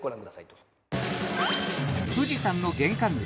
どうぞ富士山の玄関口